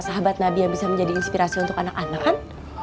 sahabat nabi yang bisa menjadi inspirasi untuk anak anak kan